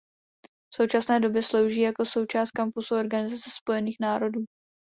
V současné době slouží jako součást kampusu Organizace spojených národů.